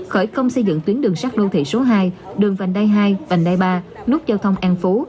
khởi công xây dựng tuyến đường sát đô thị số hai đường vành đai hai vành đai ba nút giao thông an phú